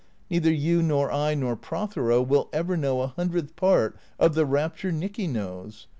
Neither you nor I nor Prothero will ever know a hundredth part of the rapture Nicky knows.